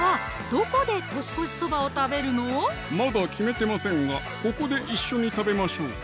まだ決めてませんがここで一緒に食べましょうか？